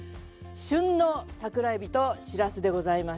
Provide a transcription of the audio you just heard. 旬の桜えびとしらすでございます。